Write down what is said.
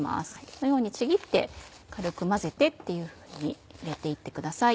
このようにちぎって軽く混ぜてっていうふうに入れて行ってください。